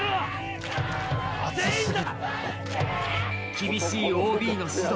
厳しい ＯＢ の指導